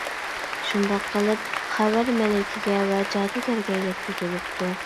شۇنداق قىلىپ خەۋەر مەلىكىگە ۋە جادۇگەرگە يەتكۈزۈلۈپتۇ.